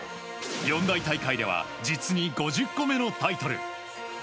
四大大会では実に５０個目のタイトル。